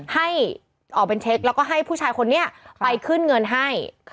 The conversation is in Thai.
ให้ออกเป็นเช็คแล้วก็ให้ผู้ชายคนนี้ไปขึ้นเงินให้